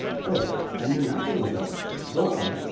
"Oh! I knew nothing of that. Go on."